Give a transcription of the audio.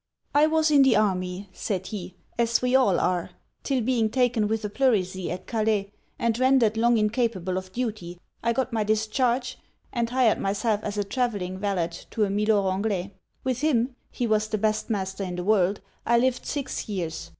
'I was in the army,' said he, 'as we all are; till being taken with a pleurisy at Calais, and rendered long incapable of duty, I got my discharge, and hired myself as a travelling valet to a Milor Anglais. With him (he was the best master in the world) I lived six years.